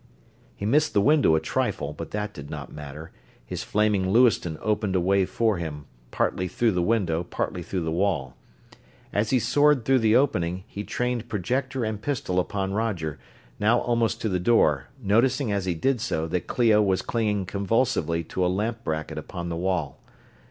He missed the window a trifle, but that did not matter his flaming Lewiston opened a way for him, partly through the window, partly through the wall. As he soared through the opening he trained projector and pistol upon Roger, now almost to the door, noticing as he did so that Clio was clinging convulsively to a lamp bracket upon the wall.